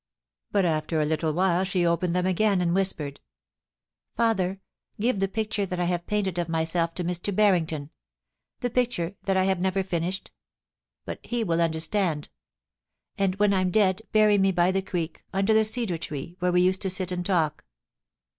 But afler a little while she opened them again and whis pered: ' Father, give the picture that I have painted of myself to Mr. Barrington — the picture that I have never finished. But he will understand. ... And when I'm dead bury me by the creek, under the cedar tree, where we used to sit and talk.